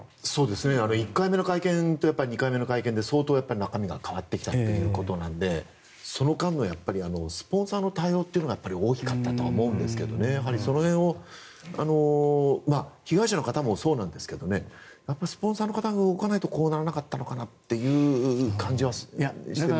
１回目の会見と２回目の会見で相当、中身が変わってきたということなのでその間のスポンサーの対応というのがやはり大きかったと思うんですがやはりその辺を被害者の方もそうなんですがスポンサーの方が動かないとこうならなかったのかなという感じはしてるんですけどね。